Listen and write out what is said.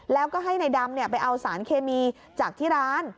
แล้วก็ให้นายดำไปเอาสารเคมีจากที่ร้าน